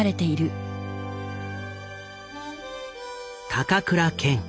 高倉健。